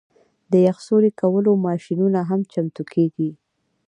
د یخ سوري کولو ماشینونه هم چمتو کیږي